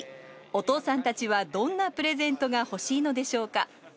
お父さんたちはどんなプレゼントが欲しいのでしょうか。